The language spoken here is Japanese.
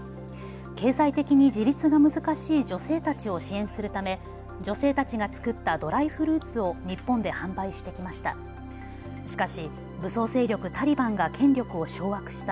経済的に自立が難しい女性たちを支援するため女性たちが作ったドライフルーツを日本で販売してきました。